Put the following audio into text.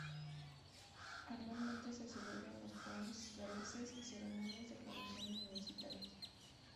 Anualmente se celebran los Proms Galeses y ceremonias de graduación universitarias.